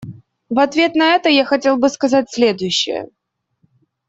В ответ на это я хотел бы сказать следующее.